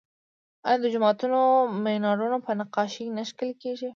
آیا د جوماتونو مینارونه په نقاشۍ نه ښکلي کیږي؟